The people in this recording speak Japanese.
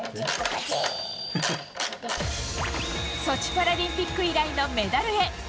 ソチパラリンピック以来のメダルへ。